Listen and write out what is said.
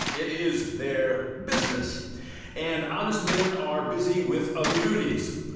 It is their "business," and honest men are busy with other duties.